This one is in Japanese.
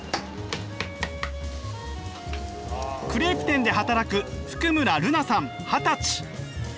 クレープ店で働く福村瑠菜さん二十歳。